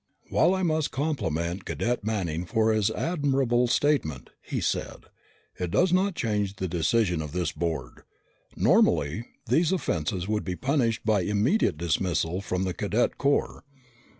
"While I must compliment Cadet Manning for his admirable statement," he said, "it does not change the decision of this board. Normally, these offenses would be punished by immediate dismissal from the Cadet Corps.